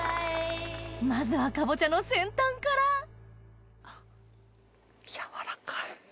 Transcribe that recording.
まずはかぼちゃの先端からあっ軟らかい。